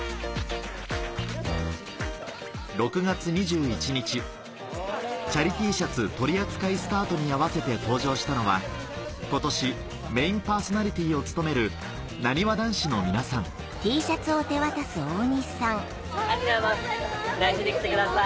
６月２１日チャリＴシャツ取り扱いスタートに合わせて登場したのは今年メインパーソナリティーを務めるなにわ男子の皆さんありがとうございます大事に着てください。